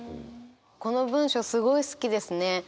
この文章すごい好きですね。